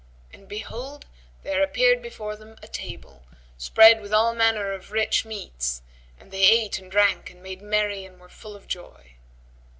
And behold, there appeared before them a table, spread with all manner of rich meats, and they ate and drank and made merry and were full of joy.